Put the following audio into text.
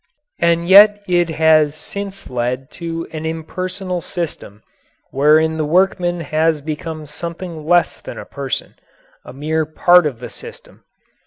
And yet it has since led to an impersonal system wherein the workman has become something less than a person a mere part of the system.